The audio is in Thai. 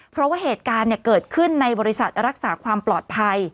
เพราะว่าเหตุการณ์เกิดขึ้นในบริษัทรักษาความปลอดภัย